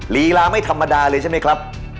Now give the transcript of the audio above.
ลีลาไม่ธรรมดาเลยใช่ไหมครับ